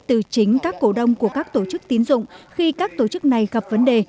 từ chính các cổ đông của các tổ chức tín dụng khi các tổ chức này gặp vấn đề